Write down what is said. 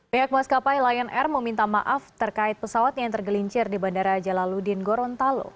pihak maskapai lion air meminta maaf terkait pesawat yang tergelincir di bandara jalaludin gorontalo